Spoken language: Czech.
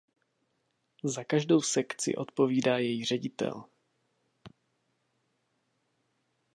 Za každou sekci odpovídá její ředitel.